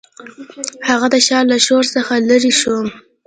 هغه د ښار له شور څخه لیرې شو.